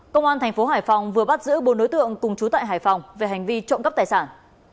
công an thành phố hải phòng vừa bắt giữ bốn đối tượng cùng chú tại hải phòng về hành vi trộm cắp tài sản